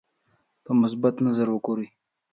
په مثبت نظر وګوري.